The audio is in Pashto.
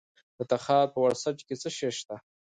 د تخار په ورسج کې څه شی شته؟